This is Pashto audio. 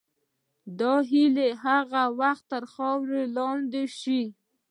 دا هیلې هغه وخت تر خاورې لاندې شوې.